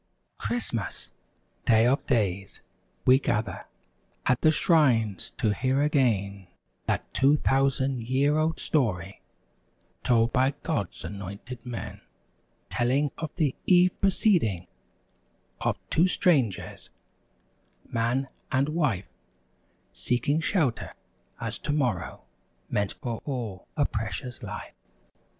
Christmas! Day of days! We gather At the shrines to hear again That two thousand year old story Told by God's anointed men: Telling of the eve preceding; Of two strangers—man and wife— Seeking shelter, as tomorrow Meant for all a Precious Life.